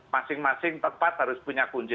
masing masing tempat harus punya kunci